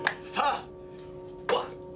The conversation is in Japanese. さあ！